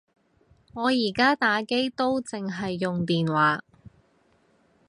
我而家打機都剩係用電話